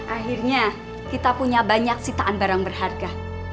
akhirnya kita punya banyak sitaan barang berharga